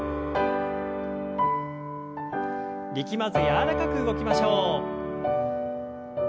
力まず柔らかく動きましょう。